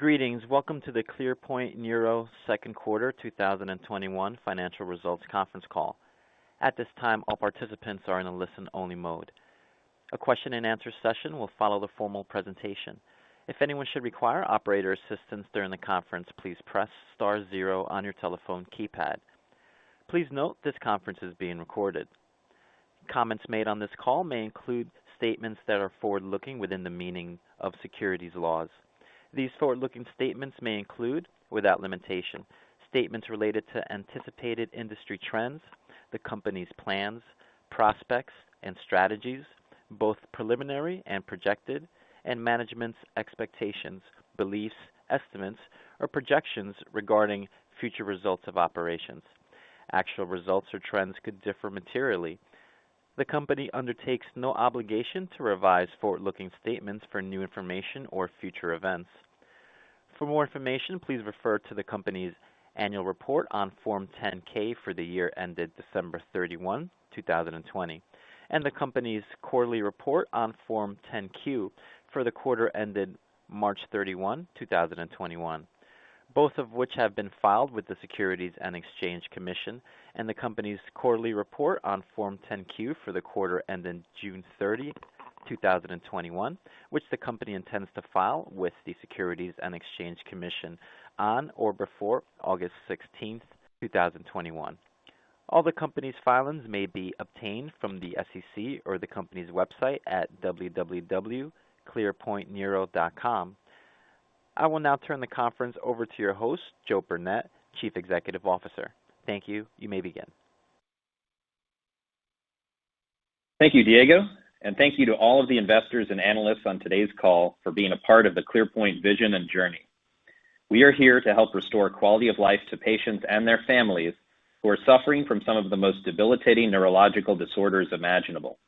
Greetings. Welcome to the ClearPoint Neuro second quarter 2021 financial results conference call. At this time, all participants are in a listen-only mode. A question and answer session will follow the formal presentation. If anyone should require operator assistance during the conference, please press star zero on your telephone keypad. Please note this conference is being recorded. Comments made on this call may include statements that are forward-looking within the meaning of securities laws. These forward-looking statements may include, without limitation, statements related to anticipated industry trends, the company's plans, prospects, and strategies, both preliminary and projected, and management's expectations, beliefs, estimates, or projections regarding future results of operations. Actual results or trends could differ materially. The company undertakes no obligation to revise forward-looking statements for new information or future events. For more information, please refer to the company's annual report on Form 10-K for the year ended December 31, 2020, and the company's quarterly report on Form 10-Q for the quarter ended March 31, 2021, both of which have been filed with the Securities and Exchange Commission, and the company's quarterly report on Form 10-Q for the quarter ending June 30, 2021, which the company intends to file with the Securities and Exchange Commission on or before August 16, 2021. All the company's filings may be obtained from the SEC or the company's website at www.clearpointneuro.com. I will now turn the conference over to your host, Joe Burnett, Chief Executive Officer. Thank you. You may begin. Thank you, Diego, and thank you to all of the investors and analysts on today's call for being a part of the ClearPoint vision and journey. We are here to help restore quality of life to patients and their families who are suffering from some of the most debilitating neurological disorders imaginable.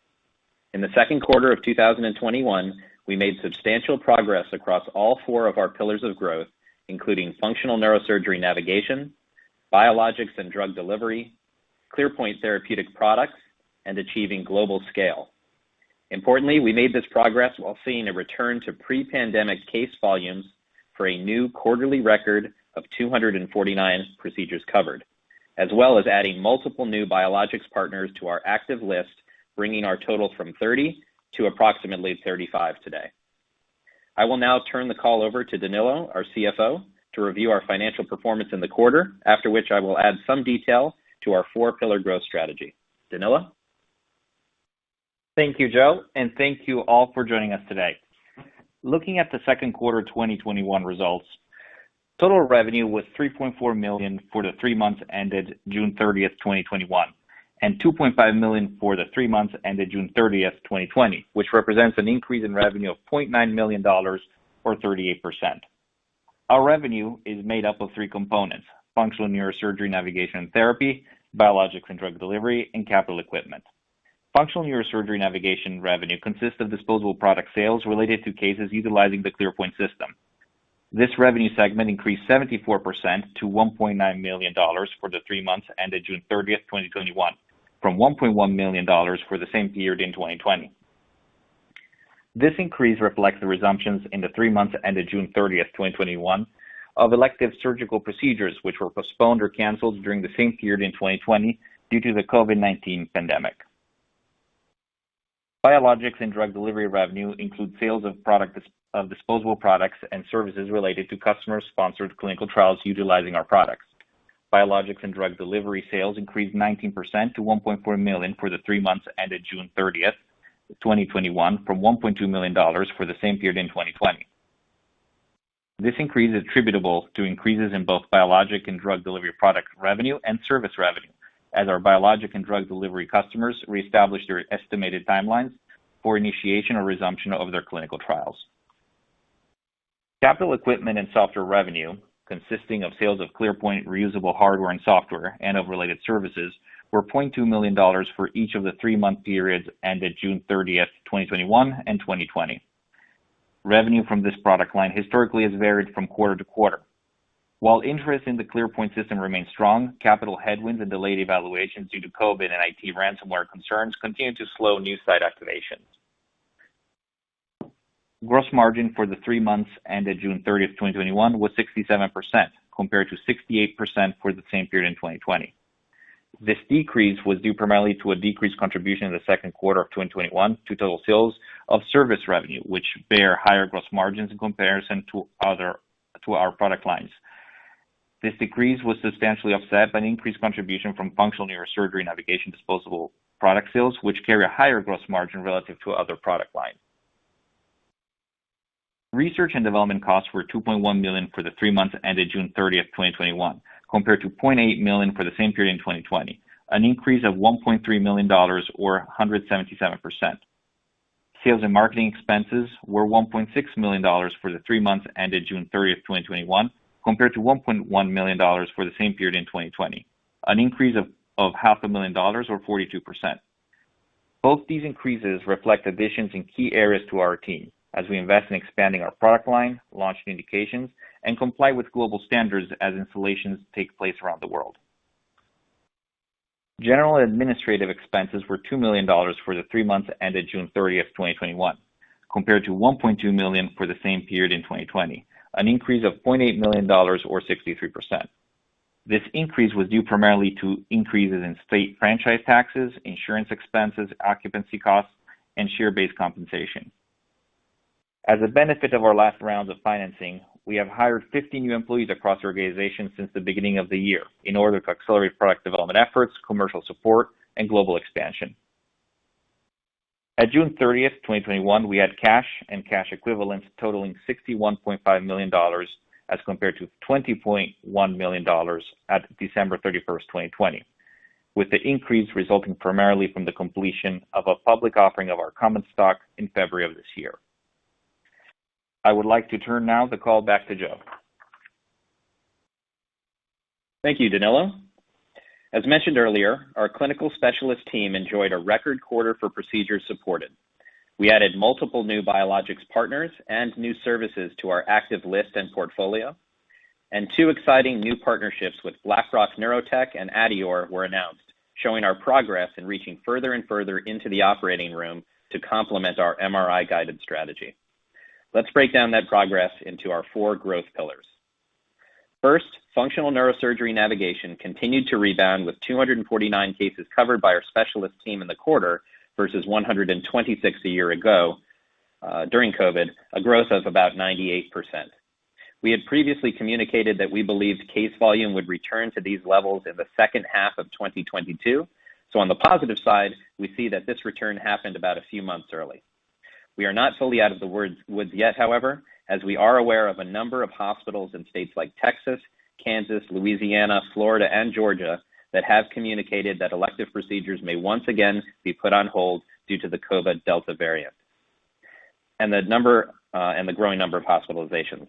In the second quarter of 2021, we made substantial progress across all four of our pillars of growth, including functional neurosurgery navigation, biologics and drug delivery, ClearPoint therapeutic products, and achieving global scale. Importantly, we made this progress while seeing a return to pre-pandemic case volumes for a new quarterly record of 249 procedures covered, as well as adding multiple new biologics partners to our active list, bringing our total from 30 to approximately 35 today. I will now turn the call over to Danilo, our CFO, to review our financial performance in the quarter, after which I will add some detail to our four-pillar growth strategy. Danilo? Thank you, Joe, and thank you all for joining us today. Looking at the second quarter 2021 results, total revenue was $3.4 million for the three months ended June 30th, 2021, and $2.5 million for the three months ended June 30th, 2020, which represents an increase in revenue of $0.9 million or 38%. Our revenue is made up of three components, functional neurosurgery navigation and therapy, biologics and drug delivery, and capital equipment. Functional neurosurgery navigation revenue consists of disposable product sales related to cases utilizing the ClearPoint system. This revenue segment increased 74% to $1.9 million for the three months ended June 30th, 2021, from $1.1 million for the same period in 2020. This increase reflects the resumptions in the three months ended June 30th, 2021 of elective surgical procedures, which were postponed or canceled during the same period in 2020 due to the COVID-19 pandemic. Biologics and drug delivery revenue include sales of disposable products and services related to customer-sponsored clinical trials utilizing our products. Biologics and drug delivery sales increased 19% to $1.4 million for the three months ended June 30th, 2021 from $1.2 million for the same period in 2020. This increase is attributable to increases in both biologic and drug delivery product revenue and service revenue as our biologic and drug delivery customers reestablish their estimated timelines for initiation or resumption of their clinical trials. Capital equipment and software revenue, consisting of sales of ClearPoint reusable hardware and software and of related services, were $0.2 million for each of the three-month periods ended June 30th, 2021 and 2020. Revenue from this product line historically has varied from quarter to quarter. While interest in the ClearPoint system remains strong, capital headwinds and delayed evaluations due to COVID and IT ransomware concerns continue to slow new site activations. Gross margin for the three months ended June 30th, 2021 was 67%, compared to 68% for the same period in 2020. This decrease was due primarily to a decreased contribution in the second quarter of 2021 to total sales of service revenue, which bear higher gross margins in comparison to our product lines. This decrease was substantially offset by an increased contribution from functional neurosurgery navigation disposable product sales, which carry a higher gross margin relative to other product lines. Research and development costs were $2.1 million for the three months ended June 30th, 2021, compared to $0.8 million for the same period in 2020, an increase of $1.3 million or 177%. Sales and marketing expenses were $1.6 million for the three months ended June 30th, 2021, compared to $1.1 million for the same period in 2020, an increase of $500,000 or 42%. Both these increases reflect additions in key areas to our team as we invest in expanding our product line, launching indications, and comply with global standards as installations take place around the world. General administrative expenses were $2 million for the three months ended June 30th, 2021, compared to $1.2 million for the same period in 2020, an increase of $0.8 million, or 63%. This increase was due primarily to increases in state franchise taxes, insurance expenses, occupancy costs, and share-based compensation. As a benefit of our last rounds of financing, we have hired 15 new employees across the organization since the beginning of the year in order to accelerate product development efforts, commercial support, and global expansion. At June 30th, 2021, we had cash and cash equivalents totaling $61.5 million as compared to $20.1 million at December 31st, 2020, with the increase resulting primarily from the completion of a public offering of our common stock in February of this year. I would like to turn now the call back to Joe. Thank you, Danilo. As mentioned earlier, our clinical specialist team enjoyed a record quarter for procedures supported. We added multiple new biologics partners and new services to our active list and portfolio, and two exciting new partnerships with Blackrock Neurotech and adeor were announced, showing our progress in reaching further and further into the operating room to complement our MRI-guided strategy. Let's break down that progress into our four growth pillars. First, functional neurosurgery navigation continued to rebound with 249 cases covered by our specialist team in the quarter versus 126 a year ago, during COVID, a growth of about 98%. We had previously communicated that we believed case volume would return to these levels in the second half of 2022. On the positive side, we see that this return happened about a few months early. We are not fully out of the woods yet, however, as we are aware of a number of hospitals in states like Texas, Kansas, Louisiana, Florida, and Georgia that have communicated that elective procedures may once again be put on hold due to the COVID Delta variant and the growing number of hospitalizations.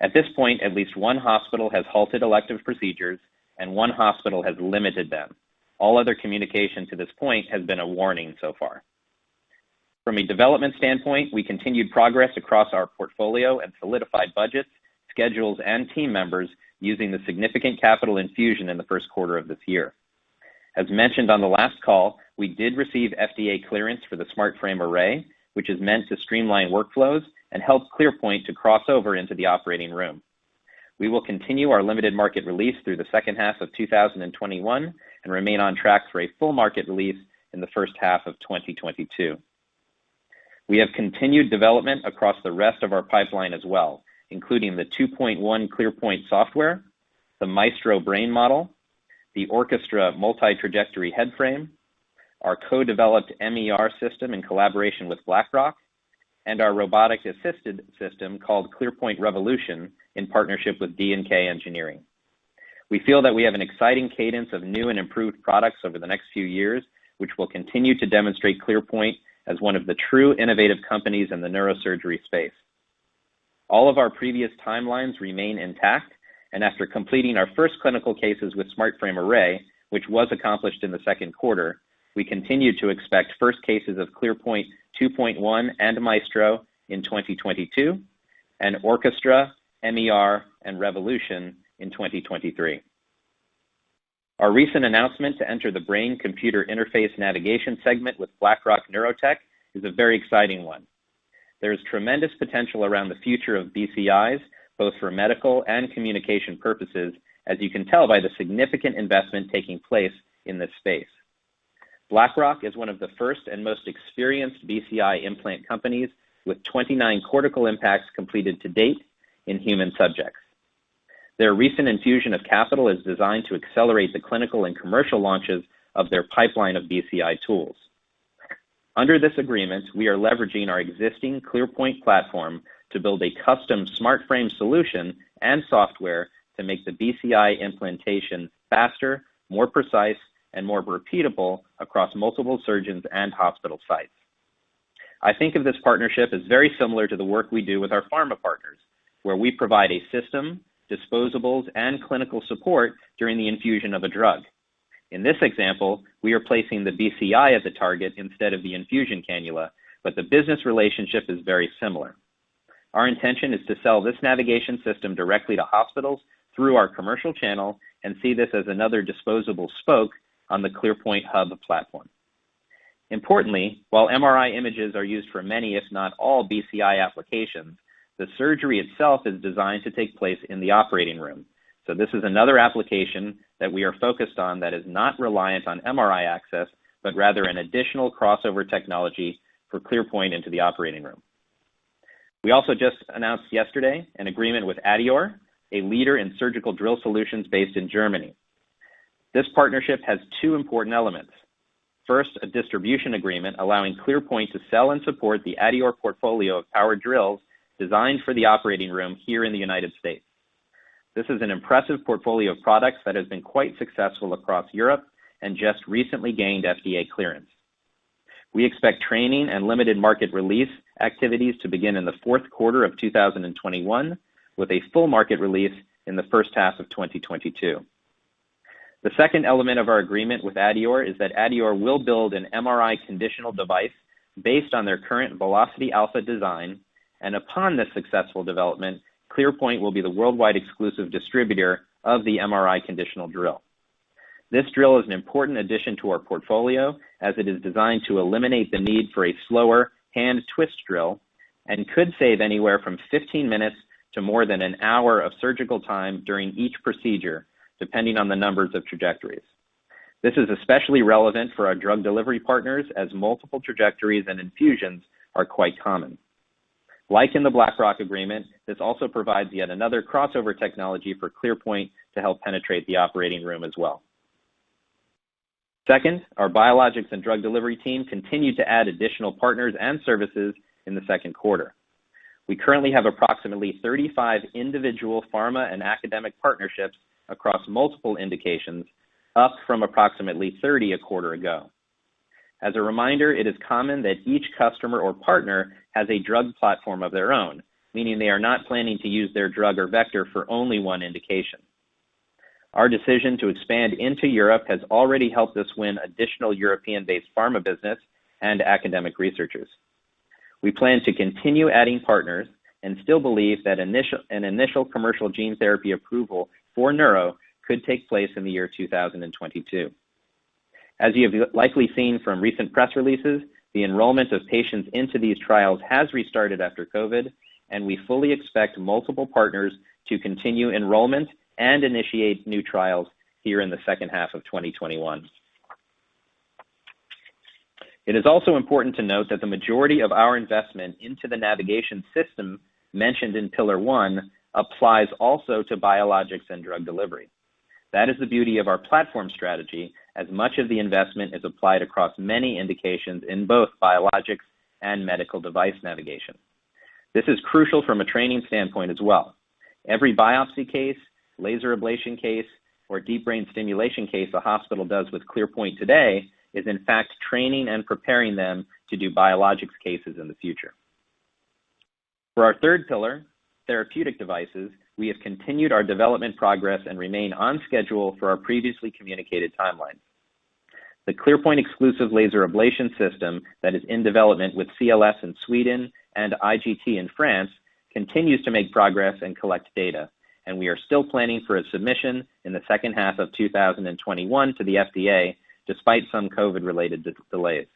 At this point, at least one hospital has halted elective procedures and one hospital has limited them. All other communication to this point has been a warning so far. From a development standpoint, we continued progress across our portfolio and solidified budgets, schedules, and team members using the significant capital infusion in the first quarter of this year. As mentioned on the last call, we did receive FDA clearance for the SmartFrame Array, which is meant to streamline workflows and help ClearPoint to cross over into the operating room. We will continue our limited market release through the second half of 2021 and remain on track for a full market release in the first half of 2022. We have continued development across the rest of our pipeline as well, including the 2.1 ClearPoint software, the Maestro Brain Model, the Orchestra multi-trajectory head frame, our co-developed MER system in collaboration with Blackrock, and our robotic-assisted system called ClearPoint Revolution in partnership with D&K Engineering. We feel that we have an exciting cadence of new and improved products over the next few years, which will continue to demonstrate ClearPoint as one of the true innovative companies in the neurosurgery space. All of our previous timelines remain intact, and after completing our first clinical cases with SmartFrame Array, which was accomplished in the second quarter, we continue to expect first cases of ClearPoint 2.1 and Maestro in 2022, and Orchestra, MER, and Revolution in 2023. Our recent announcement to enter the brain-computer interface navigation segment with Blackrock Neurotech is a very exciting one. There is tremendous potential around the future of BCIs, both for medical and communication purposes, as you can tell by the significant investment taking place in this space. Blackrock is one of the first and most experienced BCI implant companies, with 29 cortical implants completed to date in human subjects. Their recent infusion of capital is designed to accelerate the clinical and commercial launches of their pipeline of BCI tools. Under this agreement, we are leveraging our existing ClearPoint platform to build a custom SmartFrame solution and software to make the BCI implantation faster, more precise, and more repeatable across multiple surgeons and hospital sites. I think of this partnership as very similar to the work we do with our pharma partners, where we provide a system, disposables, and clinical support during the infusion of a drug. In this example, we are placing the BCI as a target instead of the infusion cannula, but the business relationship is very similar. Our intention is to sell this navigation system directly to hospitals through our commercial channel and see this as another disposable spoke on the ClearPoint hub platform. Importantly, while MRI images are used for many, if not all BCI applications, the surgery itself is designed to take place in the operating room. This is another application that we are focused on that is not reliant on MRI access, but rather an additional crossover technology for ClearPoint into the operating room. We also just announced yesterday an agreement with adeor, a leader in surgical drill solutions based in Germany. This partnership has two important elements. First, a distribution agreement allowing ClearPoint to sell and support the adeor portfolio of power drills designed for the operating room here in the U.S. This is an impressive portfolio of products that has been quite successful across Europe and just recently gained FDA clearance. We expect training and limited market release activities to begin in the fourth quarter of 2021, with a full market release in the first half of 2022. The second element of our agreement with adeor is that adeor will build an MRI conditional device based on their current Velocity Alpha design. Upon the successful development, ClearPoint will be the worldwide exclusive distributor of the MRI conditional drill. This drill is an important addition to our portfolio, as it is designed to eliminate the need for a slower hand twist drill, and could save anywhere from 15 minutes to more than 1 hour of surgical time during each procedure, depending on the numbers of trajectories. This is especially relevant for our drug delivery partners, as multiple trajectories and infusions are quite common. Like in the Blackrock agreement, this also provides yet another crossover technology for ClearPoint to help penetrate the operating room as well. Second, our biologics and drug delivery team continued to add additional partners and services in the second quarter. We currently have approximately 35 individual pharma and academic partnerships across multiple indications, up from approximately 30 a quarter ago. As a reminder, it is common that each customer or partner has a drug platform of their own, meaning they are not planning to use their drug or vector for only one indication. Our decision to expand into Europe has already helped us win additional European-based pharma business and academic researchers. We plan to continue adding partners and still believe that an initial commercial gene therapy approval for neuro could take place in the year 2022. As you have likely seen from recent press releases, the enrollment of patients into these trials has restarted after COVID, and we fully expect multiple partners to continue enrollment and initiate new trials here in the second half of 2021. It is also important to note that the majority of our investment into the navigation system mentioned in pillar 1 applies also to biologics and drug delivery. That is the beauty of our platform strategy, as much of the investment is applied across many indications in both biologics and medical device navigation. This is crucial from a training standpoint as well. Every biopsy case, laser ablation case, or deep brain stimulation case a hospital does with ClearPoint today is in fact training and preparing them to do biologics cases in the future. For our 3rd pillar, therapeutic devices, we have continued our development progress and remain on schedule for our previously communicated timelines. The ClearPoint exclusive laser ablation system that is in development with CLS in Sweden and IGT in France continues to make progress and collect data. We are still planning for a submission in the second half of 2021 to the FDA, despite some COVID related delays.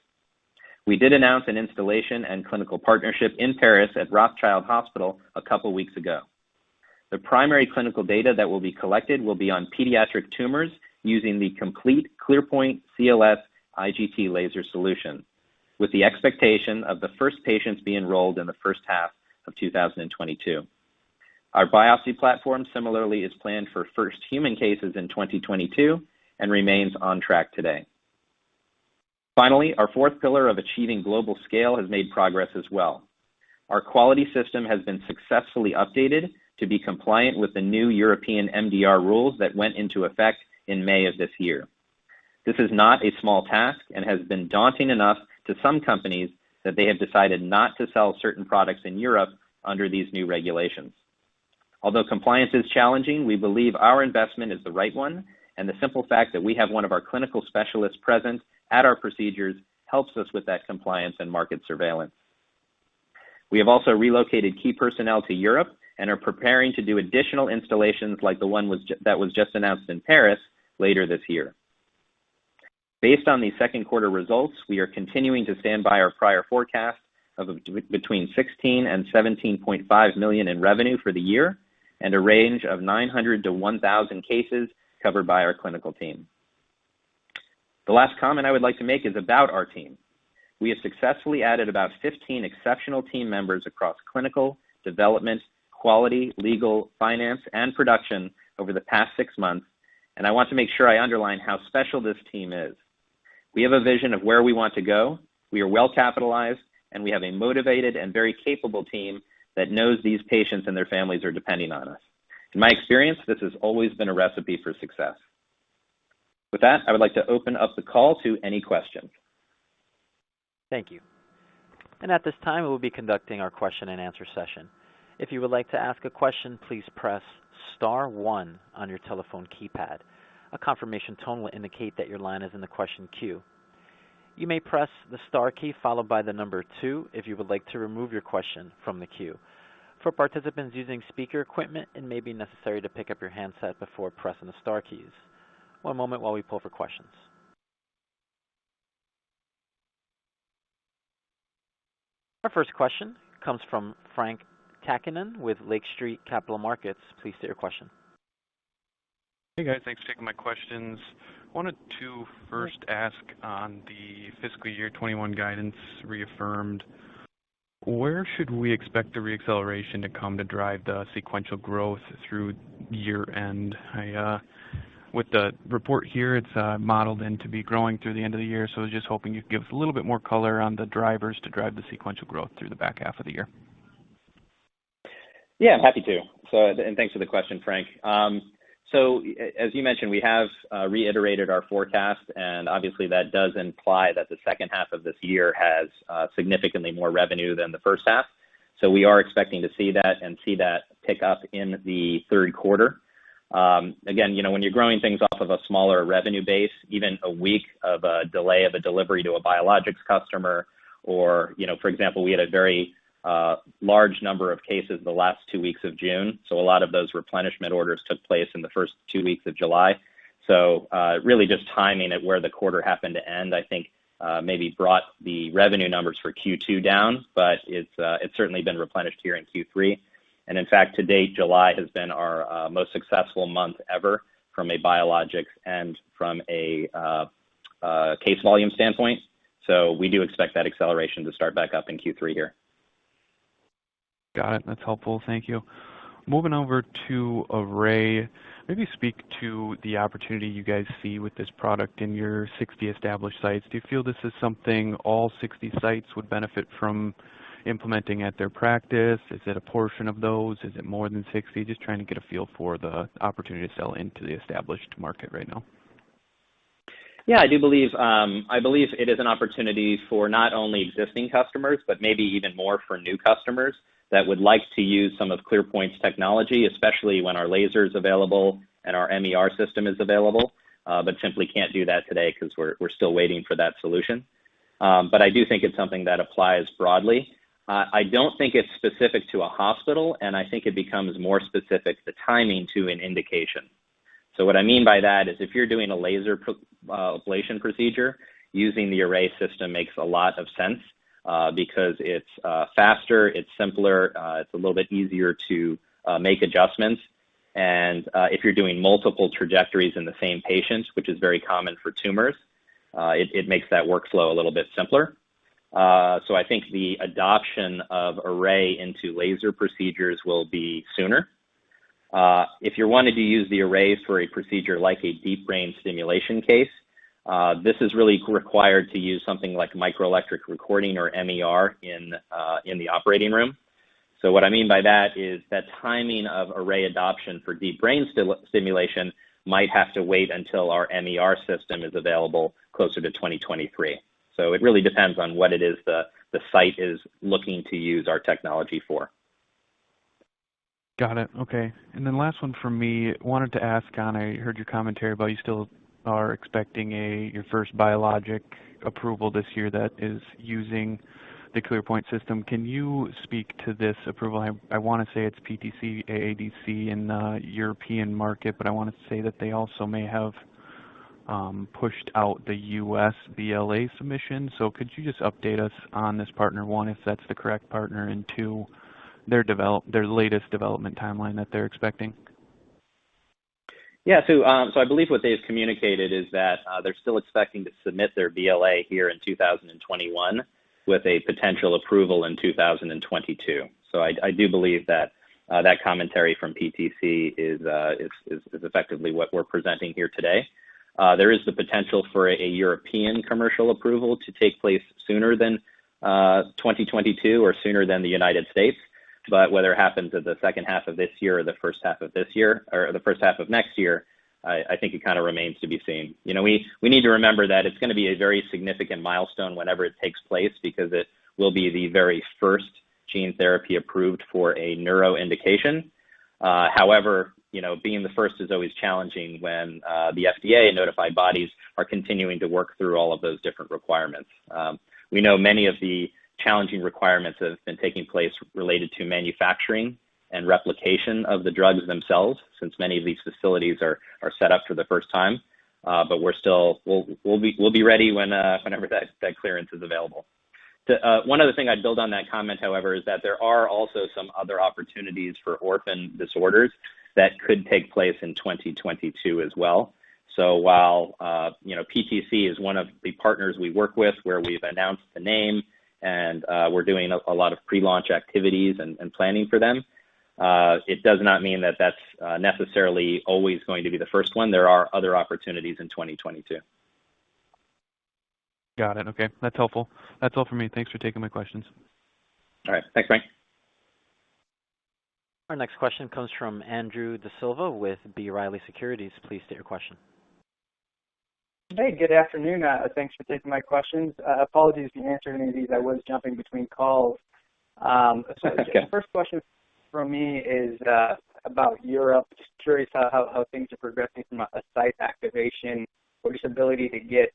We did announce an installation and clinical partnership in Paris at Rothschild Hospital a couple weeks ago. The primary clinical data that will be collected will be on pediatric tumors using the complete ClearPoint CLS IGT laser solution, with the expectation of the first patients being enrolled in the first half of 2022. Our biopsy platform similarly is planned for first human cases in 2022, remains on track today. Finally, our fourth pillar of achieving global scale has made progress as well. Our quality system has been successfully updated to be compliant with the new European MDR rules that went into effect in May of this year. This is not a small task, and has been daunting enough to some companies that they have decided not to sell certain products in Europe under these new regulations. Compliance is challenging, we believe our investment is the right one, and the simple fact that we have one of our clinical specialists present at our procedures helps us with that compliance and market surveillance. We have also relocated key personnel to Europe and are preparing to do additional installations like the one that was just announced in Paris later this year. Based on the second quarter results, we are continuing to stand by our prior forecast of between $16 million and $17.5 million in revenue for the year, and a range of 900 to 1,000 cases covered by our clinical team. The last comment I would like to make is about our team. We have successfully added about 15 exceptional team members across clinical, development, quality, legal, finance, and production over the past six months, and I want to make sure I underline how special this team is. We have a vision of where we want to go. We are well capitalized, and we have a motivated and very capable team that knows these patients and their families are depending on us. In my experience, this has always been a recipe for success. With that, I would like to open up the call to any questions. Thank you. Our first question comes from Frank Takkinen with Lake Street Capital Markets. Please state your question. Hey, guys. Thanks for taking my questions. Wanted to first ask on the fiscal year 2021 guidance reaffirmed, where should we expect the re-acceleration to come to drive the sequential growth through year-end? With the report here, it's modeled then to be growing through the end of the year, so was just hoping you could give us a little bit more color on the drivers to drive the sequential growth through the back half of the year. Yeah, happy to. Thanks for the question, Frank Takkinen. As you mentioned, we have reiterated our forecast, obviously that does imply that the second half of this year has significantly more revenue than the first half, we are expecting to see that and see that pick up in the third quarter. Again, when you're growing things off of a smaller revenue base, even a week of a delay of a delivery to a biologics customer or, for example, we had a very large number of cases the last two weeks of June, a lot of those replenishment orders took place in the first two weeks of July. Really just timing it where the quarter happened to end, I think, maybe brought the revenue numbers for Q2 down, it's certainly been replenished here in Q3. In fact, to date, July has been our most successful month ever from a biologics and from a case volume standpoint. We do expect that acceleration to start back up in Q3 here. Got it. That's helpful. Thank you. Moving over to Array, maybe speak to the opportunity you guys see with this product in your 60 established sites. Do you feel this is something all 60 sites would benefit from implementing at their practice? Is it a portion of those? Is it more than 60? Just trying to get a feel for the opportunity to sell into the established market right now. Yeah, I believe it is an opportunity for not only existing customers, but maybe even more for new customers that would like to use some of ClearPoint's technology, especially when our laser is available and our MER system is available. Simply can't do that today because we're still waiting for that solution. I do think it's something that applies broadly. I don't think it's specific to a hospital. I think it becomes more specific, the timing to an indication. What I mean by that is if you're doing a laser ablation procedure, using the Array system makes a lot of sense, because it's faster, it's simpler, it's a little bit easier to make adjustments. If you're doing multiple trajectories in the same patient, which is very common for tumors, it makes that workflow a little bit simpler. I think the adoption of Array into laser procedures will be sooner. If you're wanting to use the Array for a procedure like a deep brain stimulation case, this is really required to use something like microelectrode recording or MER in the operating room. What I mean by that is that timing of Array adoption for deep brain stimulation might have to wait until our MER system is available closer to 2023. It really depends on what it is the site is looking to use our technology for. Got it. Okay. Last one from me. I wanted to ask, and I heard your commentary about you still are expecting your first biologic approval this year that is using the ClearPoint system. Can you speak to this approval? I want to say it's PTC Therapeutics/AADC in the European market, but I want to say that they also may have pushed out the U.S. BLA submission. Could you just update us on this, partner one, if that's the correct partner, and two, their latest development timeline that they're expecting? Yeah. I believe what they've communicated is that they're still expecting to submit their BLA here in 2021 with a potential approval in 2022. I do believe that commentary from PTC is effectively what we're presenting here today. There is the potential for a European commercial approval to take place sooner than 2022 or sooner than the United States, whether it happens at the second half of this year or the first half of next year, I think it kind of remains to be seen. We need to remember that it's going to be a very significant milestone whenever it takes place because it will be the very first gene therapy approved for a neuroindication. However, being the first is always challenging when the FDA notified bodies are continuing to work through all of those different requirements. We know many of the challenging requirements that have been taking place related to manufacturing and replication of the drugs themselves, since many of these facilities are set up for the first time. We'll be ready whenever that clearance is available. One other thing I'd build on that comment, however, is that there are also some other opportunities for orphan disorders that could take place in 2022 as well. While PTC is one of the partners we work with, where we've announced the name and we're doing a lot of pre-launch activities and planning for them, it does not mean that that's necessarily always going to be the first one. There are other opportunities in 2022. Got it. Okay. That is helpful. That is all for me. Thanks for taking my questions. All right. Thanks, Frank. Our next question comes from Andrew D'Silva with B. Riley Securities. Please state your question. Hey, good afternoon. Thanks for taking my questions. Apologies if you answered any of these. I was jumping between calls. That's good. First question from me is about Europe. Just curious how things are progressing from a site activation or just ability to get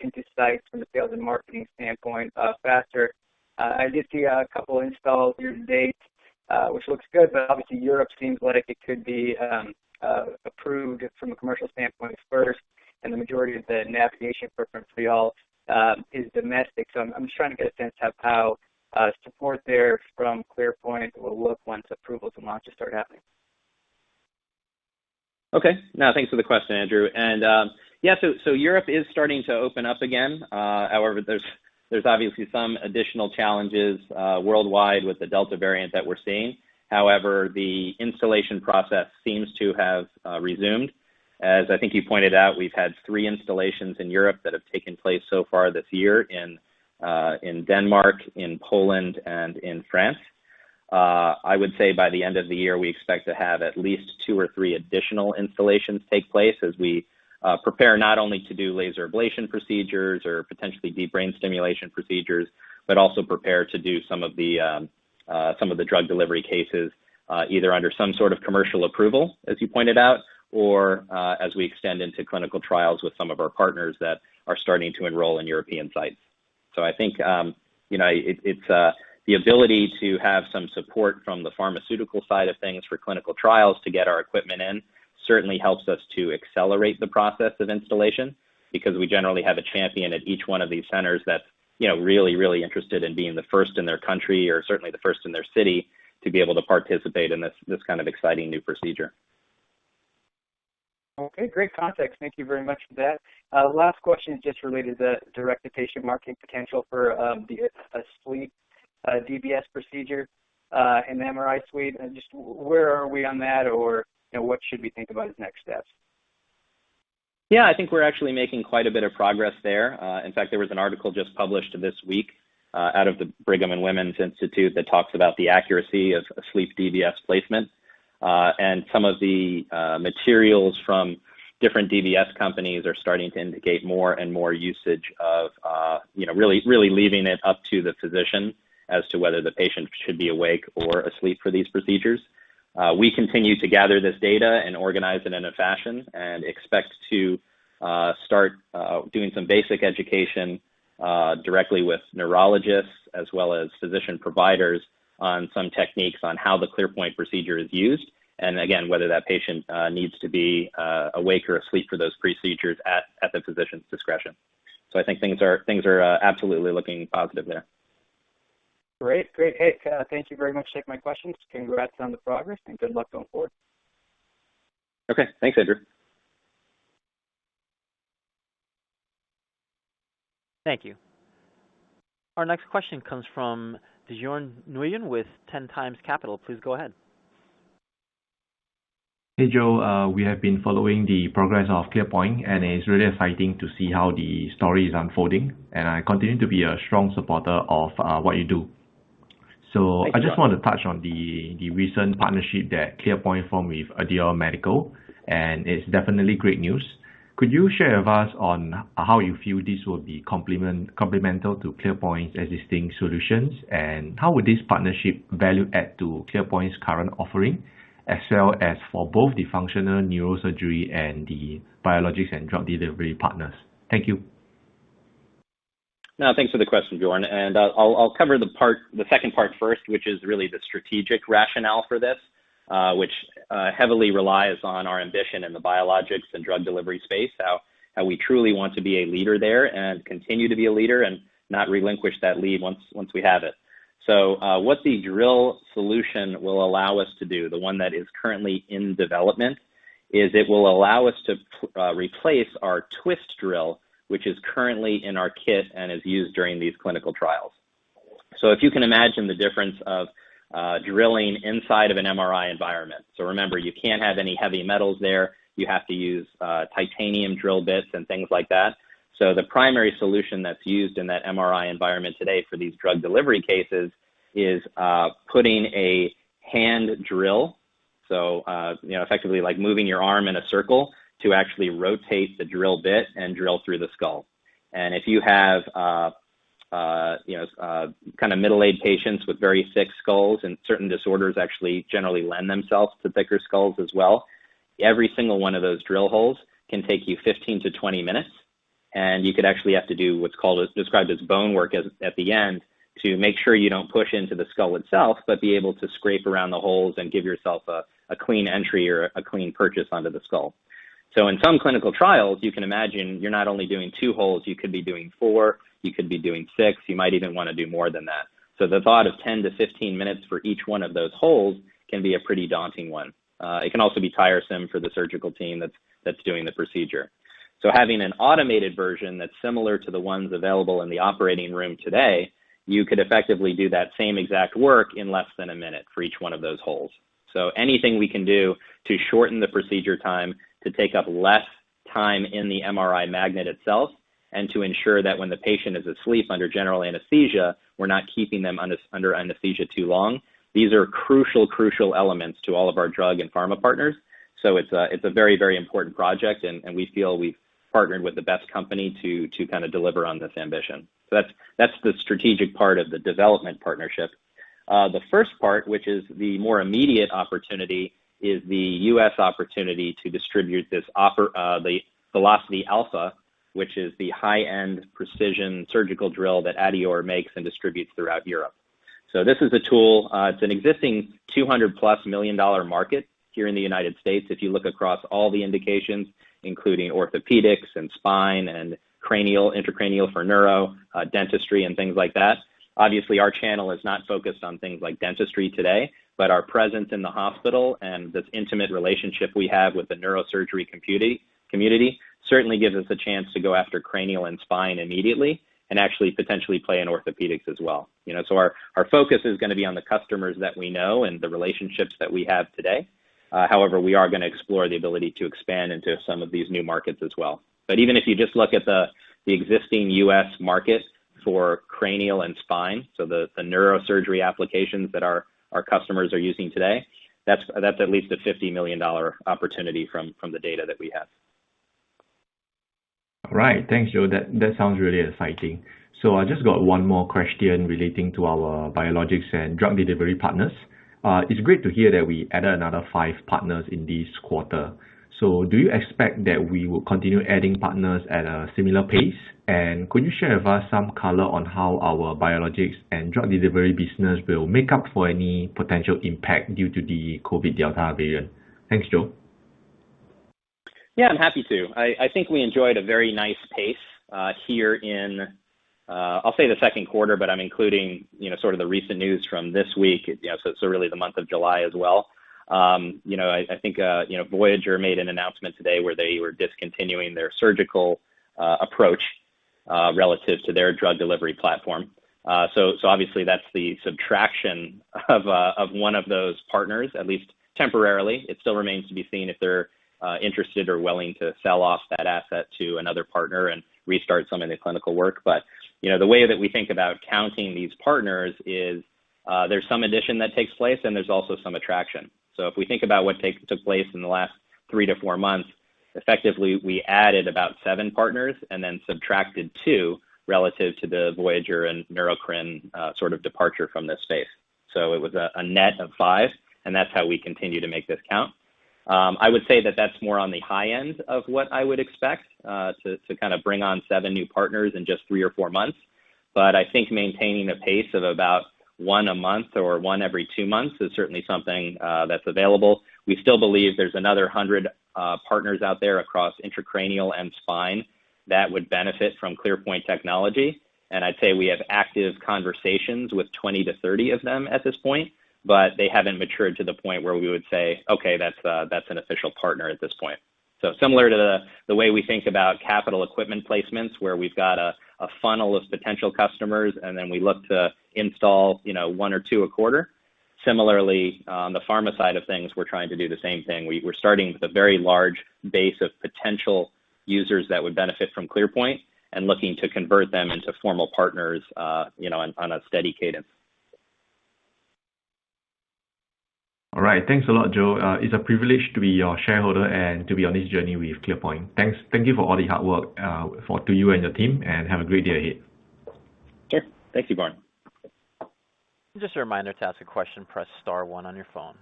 into sites from a sales and marketing standpoint faster. I did see a couple installs year to date, which looks good, but obviously Europe seems like it could be approved from a commercial standpoint first, and the majority of the navigation preference for you all is domestic. I'm just trying to get a sense of how support there from ClearPoint will look once approvals and launches start happening. Okay. No, thanks for the question, Andrew. Yeah, Europe is starting to open up again. However, there's obviously some additional challenges worldwide with the Delta variant that we're seeing. However, the installation process seems to have resumed. As I think you pointed out, we've had three installations in Europe that have taken place so far this year in Denmark, in Poland, and in France. I would say by the end of the year, we expect to have at least two or three additional installations take place as we prepare not only to do laser ablation procedures or potentially deep brain stimulation procedures, but also prepare to do some of the drug delivery cases, either under some sort of commercial approval, as you pointed out, or as we extend into clinical trials with some of our partners that are starting to enroll in European sites. I think, it's the ability to have some support from the pharmaceutical side of things for clinical trials to get our equipment in certainly helps us to accelerate the process of installation, because we generally have a champion at each one of these centers that's really interested in being the first in their country or certainly the first in their city to be able to participate in this kind of exciting new procedure. Okay. Great context. Thank you very much for that. Last question is just related to direct-to-patient market potential for the asleep DBS procedure in the MRI suite, and just where are we on that, or what should we think about as next steps? I think we're actually making quite a bit of progress there. In fact, there was an article just published this week out of the Brigham and Women's Hospital that talks about the accuracy of asleep DBS placement. Some of the materials from different DBS companies are starting to indicate more and more usage of really leaving it up to the physician as to whether the patient should be awake or asleep for these procedures. We continue to gather this data and organize it in a fashion and expect to start doing some basic education directly with neurologists as well as physician providers on some techniques on how the ClearPoint procedure is used, and again, whether that patient needs to be awake or asleep for those procedures at the physician's discretion. I think things are absolutely looking positive there. Great. Hey, thank you very much. Take my questions. Congrats on the progress and good luck going forward. Okay. Thanks, Andrew. Thank you. Our next question comes from Bjorn Ng with 10X Capital Pte Ltd. Please go ahead. Hey, Joe. We have been following the progress of ClearPoint. It's really exciting to see how the story is unfolding. I continue to be a strong supporter of what you do. Thank you. I just want to touch on the recent partnership that ClearPoint formed with adeor medical. It's definitely great news. Could you share with us on how you feel this will be complement supplemental to ClearPoint's existing solutions. How would this partnership value add to ClearPoint's current offering, as well as for both the functional neurosurgery and the biologics and drug delivery partners? Thank you. No, thanks for the question, Bjorn, and I'll cover the second part first, which is really the strategic rationale for this, which heavily relies on our ambition in the biologics and drug delivery space, how we truly want to be a leader there and continue to be a leader and not relinquish that lead once we have it. What the drill solution will allow us to do, the one that is currently in development, is it will allow us to replace our twist drill, which is currently in our kit and is used during these clinical trials. If you can imagine the difference of drilling inside of an MRI environment. Remember, you can't have any heavy metals there. You have to use titanium drill bits and things like that. The primary solution that's used in that MRI environment today for these drug delivery cases is putting a hand drill, so effectively moving your arm in a circle to actually rotate the drill bit and drill through the skull. If you have middle-aged patients with very thick skulls, and certain disorders actually generally lend themselves to thicker skulls as well, every single one of those drill holes can take you 15 to 20 minutes, and you could actually have to do what's described as bone work at the end to make sure you don't push into the skull itself, but be able to scrape around the holes and give yourself a clean entry or a clean purchase onto the skull. In some clinical trials, you can imagine you're not only doing two holes, you could be doing four, you could be doing six. You might even want to do more than that. The thought of 10-15 minutes for each one of those holes can be a pretty daunting one. It can also be tiresome for the surgical team that's doing the procedure. Having an automated version that's similar to the ones available in the operating room today, you could effectively do that same exact work in less than a minute for each one of those holes. Anything we can do to shorten the procedure time, to take up less time in the MRI magnet itself, and to ensure that when the patient is asleep under general anesthesia, we're not keeping them under anesthesia too long. These are crucial elements to all of our drug and pharma partners. It's a very important project, and we feel we've partnered with the best company to kind of deliver on this ambition. That's the strategic part of the development partnership. The first part, which is the more immediate opportunity, is the U.S. opportunity to distribute the Velocity Alpha, which is the high-end precision surgical drill that adeor makes and distributes throughout Europe. This is a tool. It's an existing $200-plus million market here in the United States if you look across all the indications, including orthopedics and spine and cranial, intracranial for neuro, dentistry and things like that. Obviously, our channel is not focused on things like dentistry today, but our presence in the hospital and this intimate relationship we have with the neurosurgery community certainly gives us a chance to go after cranial and spine immediately and actually potentially play in orthopedics as well. Our focus is going to be on the customers that we know and the relationships that we have today. However, we are going to explore the ability to expand into some of these new markets as well. Even if you just look at the existing U.S. market for cranial and spine, so the neurosurgery applications that our customers are using today, that's at least a $50 million opportunity from the data that we have. Right. Thanks, Joe. That sounds really exciting. I just got one more question relating to our biologics and drug delivery partners. It's great to hear that we added another five partners in this quarter. Do you expect that we will continue adding partners at a similar pace? Could you share with us some color on how our biologics and drug delivery business will make up for any potential impact due to the COVID Delta variant? Thanks, Joe. Yeah, I'm happy to. I think we enjoyed a very nice pace here in, I'll say the second quarter, but I'm including sort of the recent news from this week, so really the month of July as well. I think Voyager made an announcement today where they were discontinuing their surgical approach relative to their drug delivery platform. Obviously, that's the subtraction of one of those partners, at least temporarily. It still remains to be seen if they're interested or willing to sell off that asset to another partner and restart some of the clinical work. The way that we think about counting these partners is, there's some addition that takes place, and there's also some attraction. If we think about what took place in the last three to four months, effectively, we added about seven partners and then subtracted two relative to the Voyager and Neurocrine sort of departure from this space. It was a net of five, and that's how we continue to make this count. I would say that that's more on the high end of what I would expect, to kind of bring on seven new partners in just three or four months. I think maintaining a pace of about one a month or one every two months is certainly something that's available. We still believe there's another 100 partners out there across intracranial and spine that would benefit from ClearPoint technology, and I'd say we have active conversations with 20 to 30 of them at this point, but they haven't matured to the point where we would say, "Okay, that's an official partner at this point." Similar to the way we think about capital equipment placements, where we've got a funnel of potential customers, and then we look to install one or two a quarter. Similarly, on the pharma side of things, we're trying to do the same thing. We're starting with a very large base of potential users that would benefit from ClearPoint and looking to convert them into formal partners on a steady cadence. All right. Thanks a lot, Joe. It's a privilege to be your shareholder and to be on this journey with ClearPoint. Thank you for all the hard work to you and your team, and have a great day ahead. Sure. Thank you, Bjorn Ng. Just a reminder to ask a question, press star one on your phone.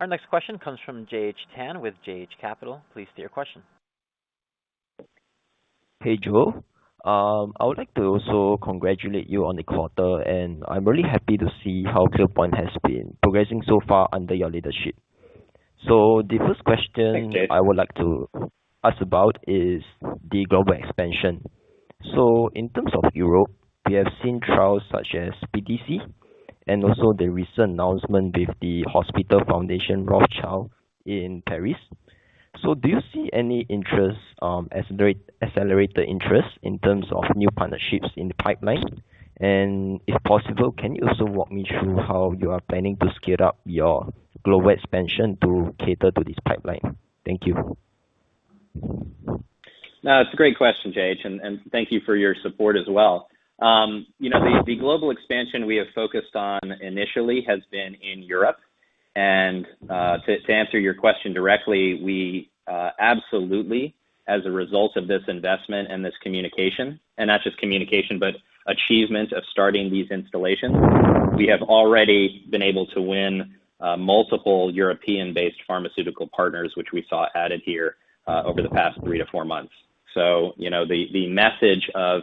Our next question comes from J.H. Tan with J.H. Capital. Please state your question. Hey, Joe. I would like to also congratulate you on the quarter, and I am really happy to see how ClearPoint has been progressing so far under your leadership. The first question. Thanks, J.H. I would like to ask about is the global expansion. In terms of Europe, we have seen trials such as PTC and also the recent announcement with the Rothschild Foundation Hospital in Paris. Do you see any accelerated interest in terms of new partnerships in the pipeline? If possible, can you also walk me through how you are planning to scale up your global expansion to cater to this pipeline? Thank you. No, it's a great question, JH, and thank you for your support as well. The global expansion we have focused on initially has been in Europe. To answer your question directly, we absolutely, as a result of this investment and this communication, and not just communication, but achievement of starting these installations, we have already been able to win multiple European-based pharmaceutical partners, which we saw added here over the past three to four months. The message of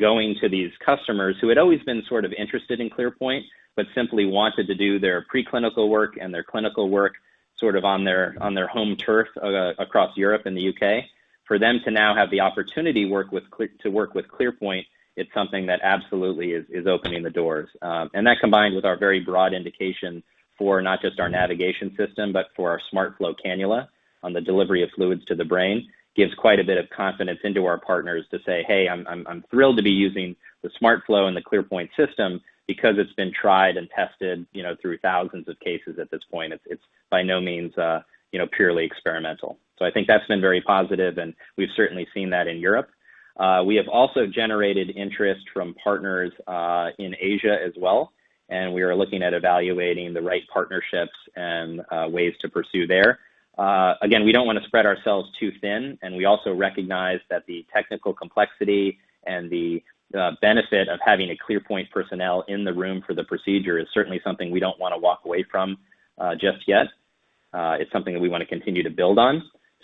going to these customers who had always been sort of interested in ClearPoint, but simply wanted to do their preclinical work and their clinical work sort of on their home turf across Europe and the U.K. For them to now have the opportunity to work with ClearPoint, it's something that absolutely is opening the doors. That combined with our very broad indication for not just our navigation system, but for our SmartFlow cannula on the delivery of fluids to the brain, gives quite a bit of confidence into our partners to say, "Hey, I'm thrilled to be using the SmartFlow and the ClearPoint system because it's been tried and tested through thousands of cases at this point." It's by no means purely experimental. I think that's been very positive, and we've certainly seen that in Europe. We have also generated interest from partners in Asia as well, and we are looking at evaluating the right partnerships and ways to pursue there. Again, we don't want to spread ourselves too thin, and we also recognize that the technical complexity and the benefit of having a ClearPoint personnel in the room for the procedure is certainly something we don't want to walk away from just yet. It's something that we want to continue to build on.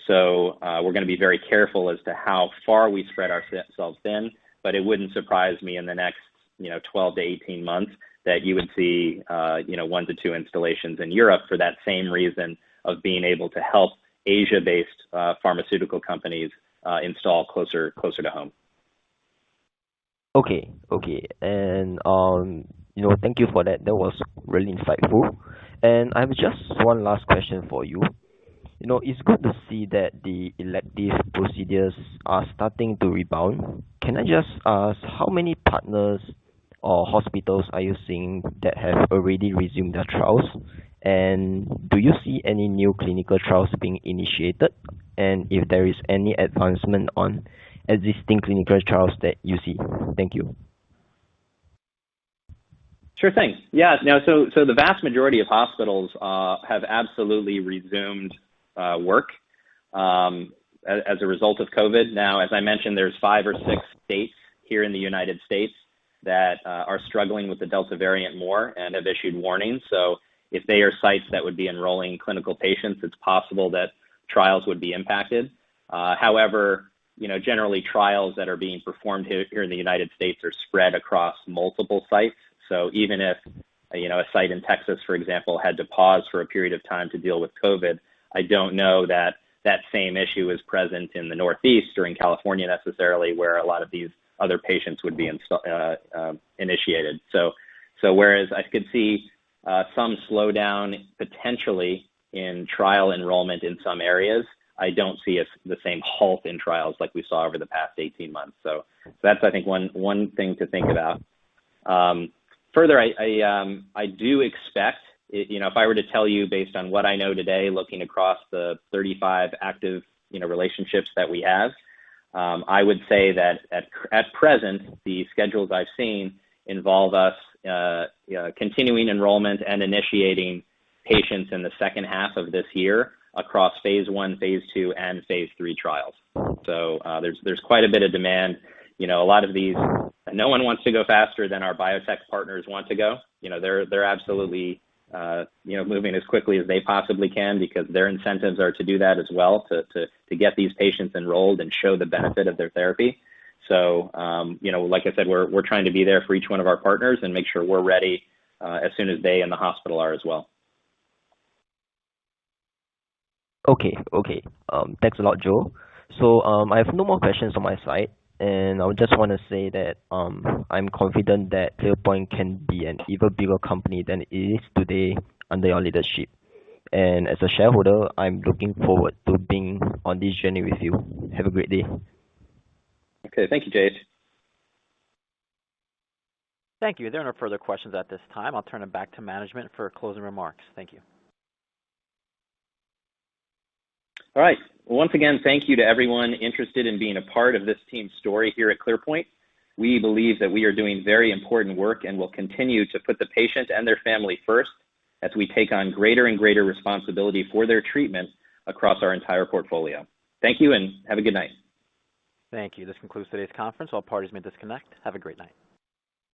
We're going to be very careful as to how far we spread ourselves thin, but it wouldn't surprise me in the next 12-18 months that you would see one to two installations in Europe for that same reason of being able to help Asia-based pharmaceutical companies install closer to home. Okay. Thank you for that. That was really insightful. I have just one last question for you. It's good to see that the elective procedures are starting to rebound. Can I just ask how many partners or hospitals are you seeing that have already resumed their trials? Do you see any new clinical trials being initiated? If there is any advancement on existing clinical trials that you see? Thank you. Sure thing. Yeah. The vast majority of hospitals have absolutely resumed work as a result of COVID. Now, as I mentioned, there's five or six states here in the U.S. that are struggling with the Delta variant more and have issued warnings. If they are sites that would be enrolling clinical patients, it's possible that trials would be impacted. However, generally, trials that are being performed here in the U.S. are spread across multiple sites. Even if a site in Texas, for example, had to pause for a period of time to deal with COVID, I don't know that that same issue is present in the Northeast or in California necessarily, where a lot of these other patients would be initiated. Whereas I could see some slowdown potentially in trial enrollment in some areas, I don't see the same halt in trials like we saw over the past 18 months. That's, I think 1 thing to think about. Further, I do expect, if I were to tell you based on what I know today, looking across the 35 active relationships that we have, I would say that at present, the schedules I've seen involve us continuing enrollment and initiating patients in the second half of this year across phase I, phase II, and phase III trials. There's quite a bit of demand. No one wants to go faster than our biotech partners want to go. They're absolutely moving as quickly as they possibly can because their incentives are to do that as well to get these patients enrolled and show the benefit of their therapy. Like I said, we're trying to be there for each one of our partners and make sure we're ready as soon as they and the hospital are as well. Okay. Thanks a lot, Joe. I have no more questions on my side, and I just want to say that I'm confident that ClearPoint Neuro can be an even bigger company than it is today under your leadership. As a shareholder, I'm looking forward to being on this journey with you. Have a great day. Okay. Thank you, J.H. Tan. Thank you. There are no further questions at this time. I'll turn it back to management for closing remarks. Thank you. All right. Once again, thank you to everyone interested in being a part of this team story here at ClearPoint. We believe that we are doing very important work and will continue to put the patient and their family first as we take on greater and greater responsibility for their treatment across our entire portfolio. Thank you and have a good night. Thank you. This concludes today's conference. All parties may disconnect. Have a great night.